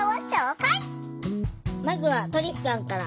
まずはトリスさんから。